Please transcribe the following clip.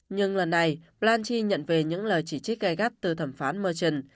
nhưng lần này blanchie nhận về những lời chỉ trích gây gắt từ thẩm phán machen